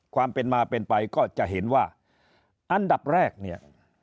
ความเป็นมาเป็นไปก็จะเห็นว่าอันดับแรกเนี่ย